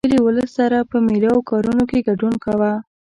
له کلي ولس سره په مېلو او کارونو کې ګډون کاوه.